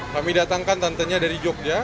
kami datangkan tantenya dari jogja